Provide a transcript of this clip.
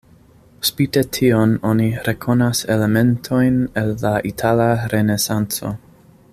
Spite tion oni rekonas elementojn el la itala renesanco.